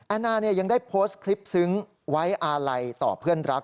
นานายังได้โพสต์คลิปซึ้งไว้อาลัยต่อเพื่อนรัก